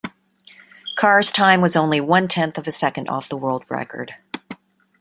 Carr's time was only one-tenth of a second off the world record.